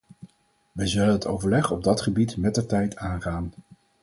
Wij zullen het overleg op dat gebied mettertijd aangaan.